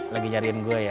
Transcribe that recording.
lagi nyariin gue ya